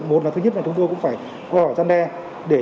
một là thứ nhất là chúng tôi cũng phải gọi hỏi dân đe